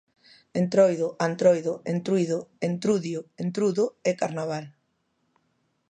Entroido, antroido, entruido, entrudio, entrudo e carnaval.